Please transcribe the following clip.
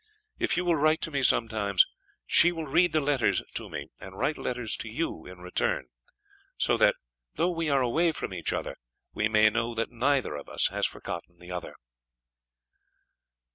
If you will write to me sometimes, she will read the letters to me and write letters to you in return, so that, though we are away from each other, we may know that neither of us has forgotten the other."